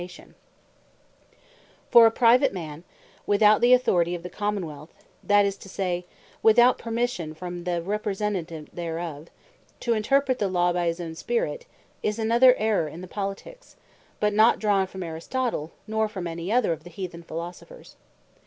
Private Interpretation Of Law For a Private man, without the Authority of the Common wealth, that is to say, without permission from the Representant thereof, to Interpret the Law by his own Spirit, is another Error in the Politiques; but not drawn from Aristotle, nor from any other of the Heathen Philosophers.